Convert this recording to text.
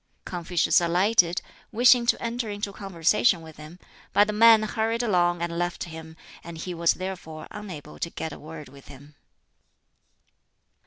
Confucius alighted, wishing to enter into conversation with him; but the man hurried along and left him, and he was therefore unable to get a word with him.